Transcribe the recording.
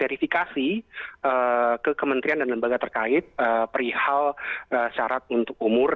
dan verifikasi ke kementrian dan lembaga terkait perihal syarat untuk umur